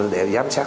để giám sát